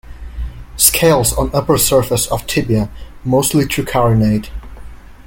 Scales on upper surface of tibia mostly tricarinate.